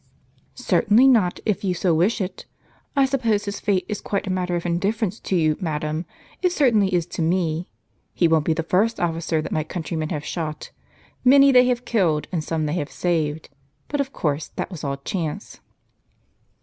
"Certainly not, if you so wish it; I suppose his fate is quite a matter of indifference to you, madam. It certainly is to me. He won't be the first officer that my countrymen have shot. Many they have killed, and some they have saved. But of course that was all chance."